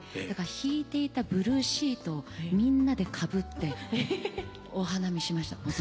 だから敷いていたブルーシートをみんなでかぶってお花見しました。